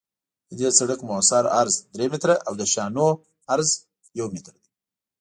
د دې سرک مؤثر عرض درې متره او د شانو عرض یو متر دی